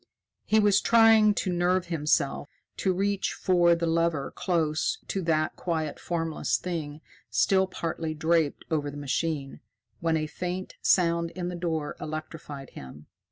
He was trying to nerve himself to reach for the lever close to that quiet formless thing still partly draped over the machine, when a faint sound in the door electrified him.